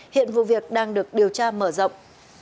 hiện vụ việc đang được điều tra mở rộng